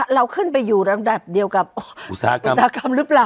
เราขึ้นไปอยู่ระดับเดียวกับอุตสาหกรรมหรือเปล่า